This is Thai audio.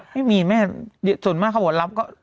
ไม่มีส่วนมากเขาบอกรับก็